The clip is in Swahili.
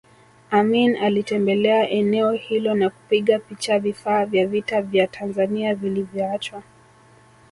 Amin alitembelea eneo hilo na kupiga picha vifaa vya vita vya Tanzania vilivyoachwa